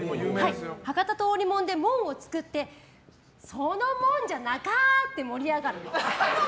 博多通りもんで門を作ってそのもんじゃなかー！って盛り上がる。